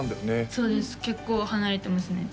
そうです結構離れてますね